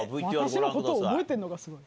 私のこと覚えてるのがすごい。